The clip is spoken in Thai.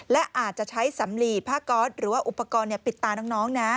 และอาจจะใช้สำลีผ้าก๊อตหรือว่าอุปกรณ์ปิดตาน้องนะ